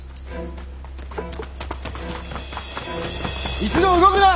一同動くな！